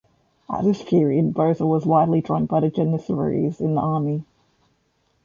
At this period boza was widely drunk by the Janissaries in the army.